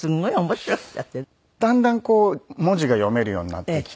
だんだんこう文字が読めるようになってきて。